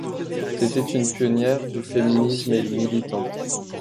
C'était une pionnière du féminisme et militante.